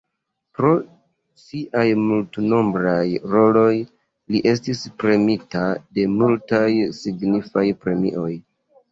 Pro siaj multnombraj roloj li estis premiita de multaj signifaj premioj.